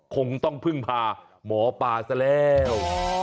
คงต้องพึ่งพาหมอปลาซะแล้ว